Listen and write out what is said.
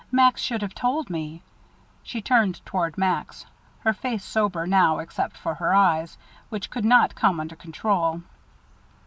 "Max should have told me." She turned toward Max, her face sober now except for the eyes, which would not come under control.